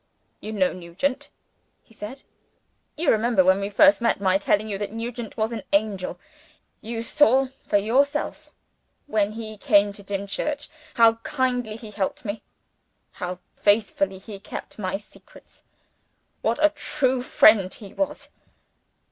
"You know Nugent," he said. "You remember when we first met, my telling you that Nugent was an angel? You saw for yourself, when he came to Dimchurch, how kindly he helped me; how faithfully he kept my secrets; what a true friend he was.